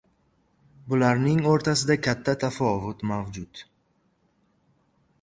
bularning o‘rtasida katta tafovut mavjud.